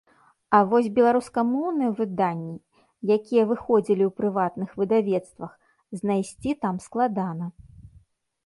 А вось беларускамоўныя выданні, якія выходзілі ў прыватных выдавецтвах, знайсці там складана.